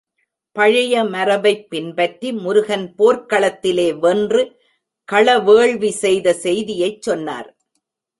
பழைய மரபைப் பின்பற்றி முருகன் போர்க்களத்திலே வென்று களவேள்வி செய்த செய்தியைச் சொன்னார்.